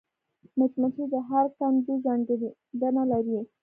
مچمچۍ د هر کندو ځانګړېندنه لري